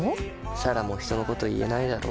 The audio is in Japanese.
彩良も人のこと言えないだろ。